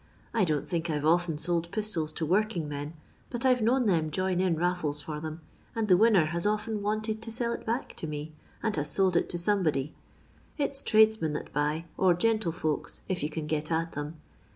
I don*t think I 'to often lold piitola to woiking men, but I 're known them join in laiBee for them, and the winner has often wanted to sell it back to me, and has sold it to somebody. It's tradesmen that buy, or gentlefolks, if yon can get at them.